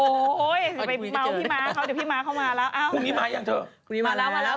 เดี๋ยวพี่ม้าเข้ามาแล้ว